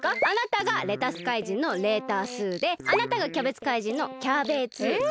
あなたがレタス怪人のレータースーであなたがキャベツ怪人のキャーベーツー。